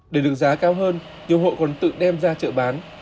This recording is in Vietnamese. để được giá cao hơn nhiều hộ còn tự đem ra chợ bán